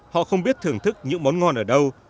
họ không biết thưởng thức những món ngon ở đâu